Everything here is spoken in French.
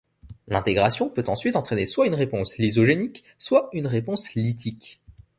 L'intégration peut ensuite entraîner soit une réponse lysogénique, soit une réponse lytique.